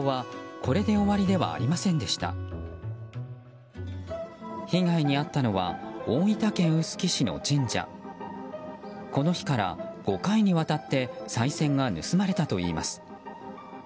この日から５回にわたってさい銭が盗まれたといいます。